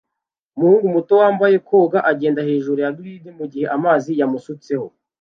Umuhungu muto wambaye koga agenda hejuru ya gride mugihe amazi yamusutseho